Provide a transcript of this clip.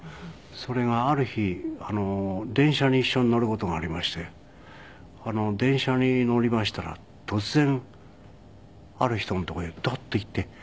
それがある日電車に一緒に乗る事がありまして電車に乗りましたら突然ある人のとこへドッと行って。